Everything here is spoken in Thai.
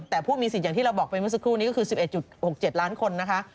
แต่ผู้มีสิทธิอย่างที่เราบอกไปเมื่อสักครู่นี้ก็คือ๑๑๖๗ล้านคนนะคะ